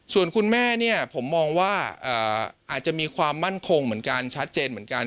ส่วนคุณแม่เนี่ยผมมองว่าอาจจะมีความมั่นคงเหมือนกันชัดเจนเหมือนกัน